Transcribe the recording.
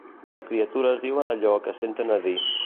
Les criatures diuen allò que senten a dir.